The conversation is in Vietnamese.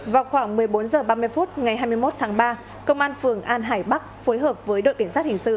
vào khoảng một mươi bốn h ba mươi phút ngày hai mươi một tháng ba công an phường an hải bắc phối hợp với đội cảnh sát hình sự